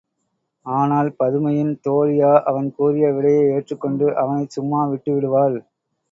ஆனால் பதுமையின் தோழியா அவன் கூறிய விடையை ஏற்றுக்கொண்டு, அவனைச் சும்மா விட்டு விடுவாள்?